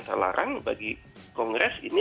terlarang bagi kongres ini